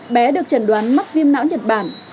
bé được trần đoán mắc viêm não nhật bản